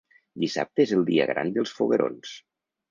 Dissabte és el dia gran dels foguerons.